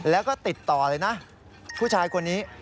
แล้วก็ติดต่อเลยนะผู้ชายคนนี้